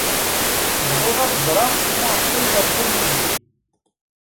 Bɣiɣ ad ẓreɣ maɣef ay terfam fell-i.